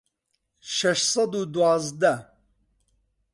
شەش سەد و دوازدە